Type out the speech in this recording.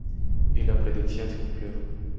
Y la predicción se cumplió.